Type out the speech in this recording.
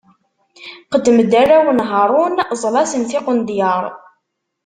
Qeddem-d arraw n Haṛun, Ẓẓels-asen tiqendyar.